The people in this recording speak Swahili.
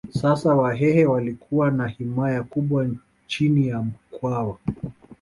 Sasa Wahehe walikuwa na himaya kubwa chini ya Mkwawa